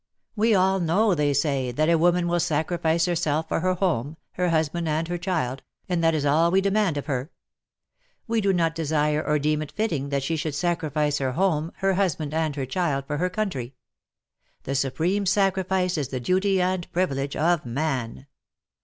We all know, they say, that a woman will sacrifice herself for her home, her husband and her child, and that is all we demand of her. We do not desire or deem it fitting that she should sacrifice her home, her husband and her child for her country. That supreme sacrifice is the duty and privilege of man.